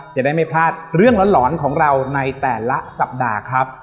จะได้ไม่พลาดเรื่องหลอนของเราในแต่ละสัปดาห์ครับ